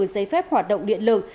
giấy phép hoạt động điện lực